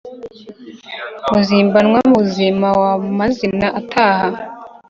Muzimbanwa-buzima wa Mazina-ataha,